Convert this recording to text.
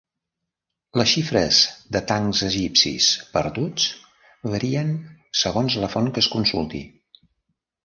Les xifres de tancs egipcis perduts varien segons la font que es consulti.